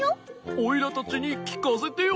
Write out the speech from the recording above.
オイラたちにきかせてよ。